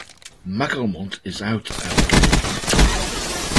McAlmont is out as gay.